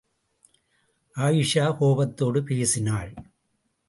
அயீஷா கோபத்தோடு பேசினாள்.